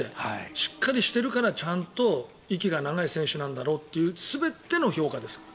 しっかりしているからちゃんと息が長い選手なんだろうっていう全ての評価ですから。